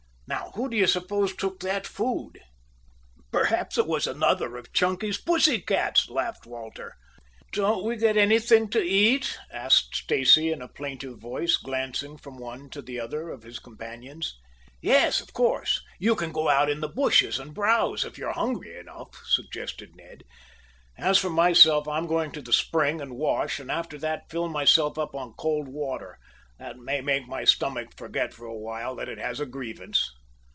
Now, who do you suppose took that food!" "Perhaps it was another of Chunky's pussy cats," laughed Walter. "Don't we get anything to eat!" asked Stacy in a plaintive voice, glancing from one to the other of his companions. "Yes, of course. You can go out in the bushes and browse, if you are hungry enough," suggested Ned. "As for myself I'm going to the spring and wash, and after that fill myself up on cold water. That may make my stomach forget, for a while, that it has a grievance."